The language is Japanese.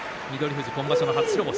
富士、今場所の初白星。